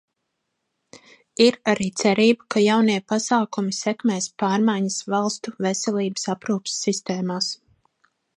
Ir arī cerība, ka jaunie pasākumi sekmēs pārmaiņas valstu veselības aprūpes sistēmās.